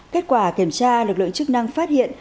kết quả kiểm tra lực lượng chức năng phát hiện